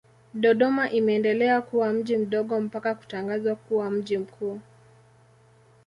Dodoma imeendelea kuwa mji mdogo mpaka kutangazwa kuwa mji mkuu.